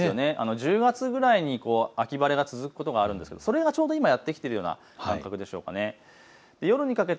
１０月くらいに秋晴れが続くことがあるんですがそれがちょうど今やって来ているような感覚でしょうか。